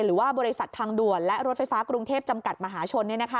หรือว่าบริษัททางด่วนและรถไฟฟ้ากรุงเทพจำกัดมหาชน